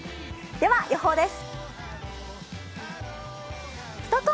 では予報です。